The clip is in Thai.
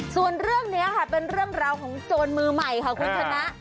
ส่วนเรื่องนี้ค่ะเป็นเรื่องราวของโจรมือใหม่ค่ะคุณชนะ